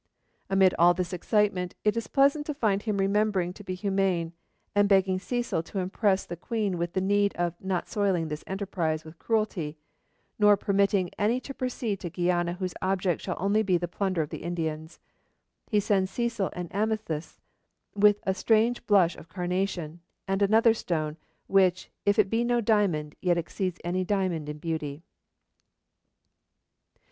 Amid all this excitement, it is pleasant to find him remembering to be humane, and begging Cecil to impress the Queen with the need of 'not soiling this enterprise' with cruelty; nor permitting any to proceed to Guiana whose object shall only be to plunder the Indians. He sends Cecil an amethyst 'with a strange blush of carnation,' and another stone, which 'if it be no diamond, yet exceeds any diamond in beauty.'